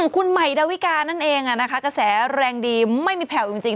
คุณใหม่ดาวิกานั่นเองกระแสแรงดีไม่มีแผ่วจริง